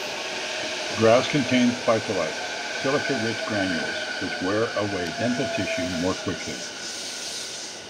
Grass contains phytoliths, silica-rich granules, which wear away dental tissue more quickly.